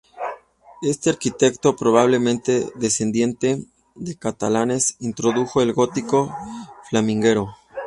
Este arquitecto, probablemente descendiente de catalanes, introdujo el gótico flamígero.